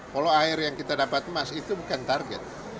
polo air yang kita dapat emas itu bukan target